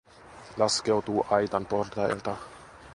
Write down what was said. Laskeutuu aitan portailta.